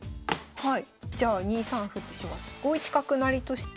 はい。